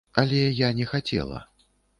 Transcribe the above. Але я не хацела.